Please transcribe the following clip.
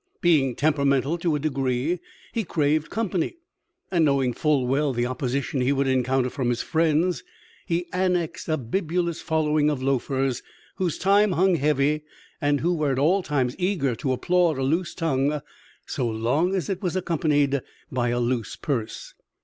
Being temperamental to a degree, he craved company; and, knowing full well the opposition he would encounter from his friends, he annexed a bibulous following of loafers whose time hung heavy and who were at all times eager to applaud a loose tongue so long as it was accompanied by a loose purse.